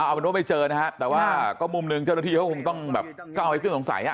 เอาเป็นว่าไม่เจอนะฮะแต่ว่าก็มุมหนึ่งเจ้าหน้าที่เขาคงต้องแบบก้าวให้สิ้นสงสัยอ่ะ